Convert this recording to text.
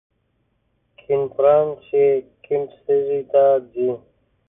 کیڼ برانش یې کیڼ سږي ته ځي.